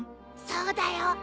そうだよ。